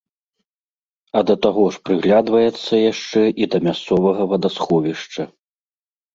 А да таго ж прыглядваецца яшчэ і да мясцовага вадасховішча.